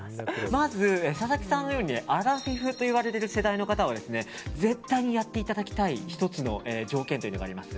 まず佐々木さんのようにアラフィフといわれる世代の方は絶対やっていただきたい１つの条件というのがあります。